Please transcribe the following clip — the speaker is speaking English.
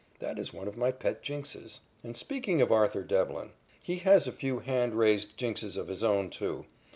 That is one of my pet jinxes. And speaking of Arthur Devlin, he has a few hand raised jinxes of his own, too.